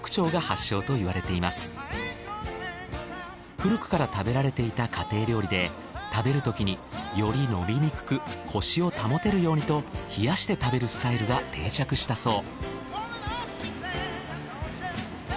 古くから食べられていた家庭料理で食べるときにより伸びにくくコシを保てるようにと冷やして食べるスタイルが定着したそう。